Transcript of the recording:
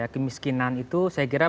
kemiskinan itu saya kira